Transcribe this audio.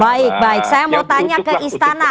baik baik saya mau tanya ke istana